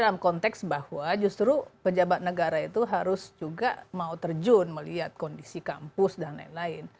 dalam konteks bahwa justru pejabat negara itu harus juga mau terjun melihat kondisi kampus dan lain lain